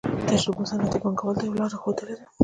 تجربو صنعتي پانګوالو ته یوه لار ښودلې ده